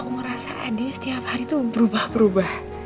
aku ngerasa adi setiap hari tuh berubah berubah